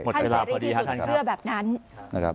หมดเวลาพอดีครับท่านครับ